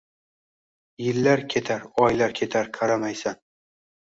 Yillar ketar oylar ketar qaramaysan